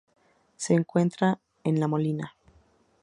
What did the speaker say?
Se encuentra en La Molina.